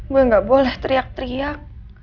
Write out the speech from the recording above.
bu nggak boleh teriak teriak